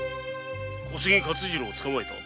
小杉勝次郎を捕えた？